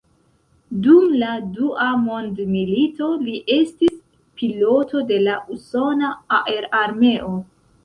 Dum la Dua Mondmilito li estis piloto de la usona aerarmeo.